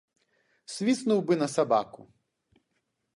Свіснуў бы на сабаку.